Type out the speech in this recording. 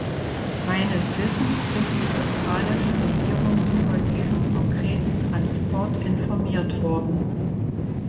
Meines Wissens ist die australische Regierung über diesen konkreten Transport informiert worden.